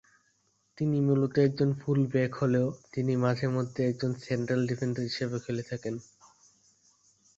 তিনি মূলত একজন ফুল ব্যাক হলেও তিনি মাঝে মধ্যে একজন সেন্ট্রাল ডিফেন্ডার হিসেবেও খেলে থাকেন।